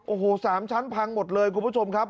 โอ้โห๓ชั้นพังหมดเลยคุณผู้ชมครับ